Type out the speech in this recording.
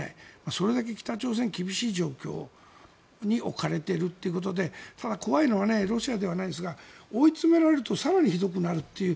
それだけ北朝鮮は厳しい状況に置かれているということでただ、怖いのはロシアではないですが追い詰められると更にひどくなるという。